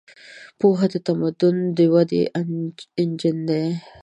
پوهه د تمدن د ودې انجن دی.